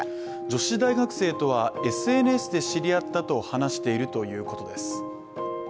女子大学生とはＳＮＳで知り合ったと話しているということです。